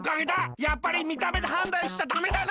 やっぱりみためではんだんしちゃダメだな！